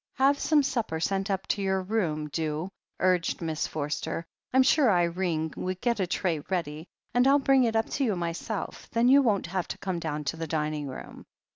"Have some supper sent up to your room, do," urged Miss Forster. "Fm sure Irene would get a tray ready, and ril bring it up to you myself. Then you won't have to come down to the dining room."